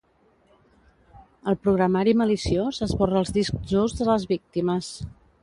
El programari maliciós esborra els discs durs de les víctimes.